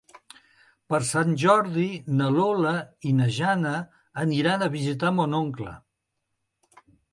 Per Sant Jordi na Lola i na Jana aniran a visitar mon oncle.